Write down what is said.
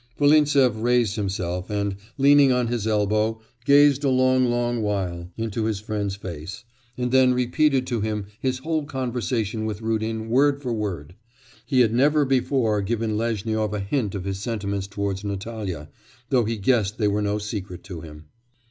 Volintsev raised himself, and, leaning on his elbow gazed a long, long while into his friend's face, and then repeated to him his whole conversation with Rudin word for word. He had never before given Lezhnyov a hint of his sentiments towards Natalya, though he guessed they were no secret to him.